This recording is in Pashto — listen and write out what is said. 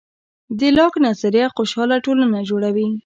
د لاک نظریه خوشحاله ټولنه جوړوي.